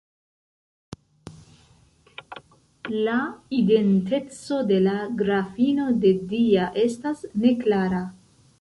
La identeco de la Grafino de Dia estas neklara.